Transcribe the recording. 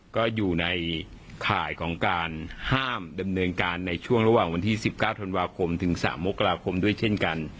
ก็อยู่ในข่ายของการห้ามดำเนินการในช่วงระหว่างวันที่๑๙ธันวาคมถึง๓มกราคมด้วยเช่นกัน